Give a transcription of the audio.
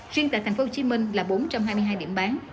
riêng tại tp hcm là bốn trăm hai mươi hai điểm bán